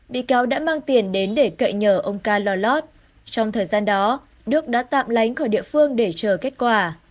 bị cáo đã mang tiền đến để cậy nhờ ông ca lo lót trong thời gian đó đức đã tạm lánh khỏi địa phương để chờ kết quả